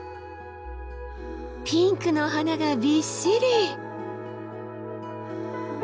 ピンクのお花がびっしり！